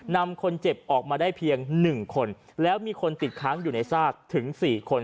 นำคนเจ็บออกมาได้เพียง๑คนแล้วมีคนติดค้างอยู่ในซากถึง๔คน